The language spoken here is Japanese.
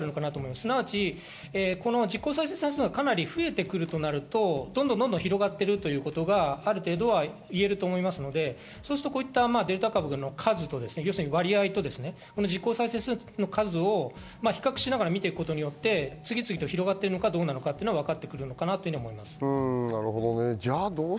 すなわち実効再生産数がかなり増えてくるとなると、どんどん広がっているということがある程度言えると思いますので、デルタ株の割合と実効再生産数の数を比較しながら見ていくことによって次々と広がっているのかどうなのかが分かってくるかと思います。